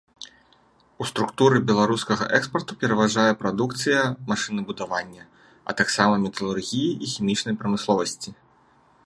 У структуры беларускага экспарту пераважае прадукцыя машынабудавання, а таксама металургіі і хімічнай прамысловасці.